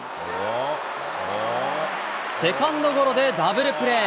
セカンドゴロでダブルプレー。